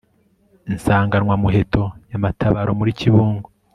insanganwamuheto ya matabaro muri kibungo